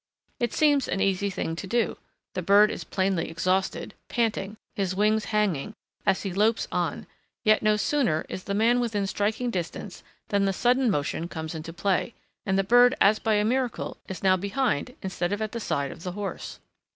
It seems an easy thing to do: the bird is plainly exhausted, panting, his wings hanging, as he lopes on, yet no sooner is the man within striking distance than the sudden motion comes into play, and the bird as by a miracle is now behind instead of at the side of the horse.